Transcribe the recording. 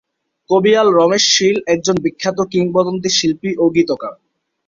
কবিয়াল রমেশ শীল একজন বিখ্যাত কিংবদন্তি শিল্পী ও গীতিকার।